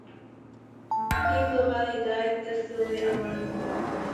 He probably died there shortly afterwards.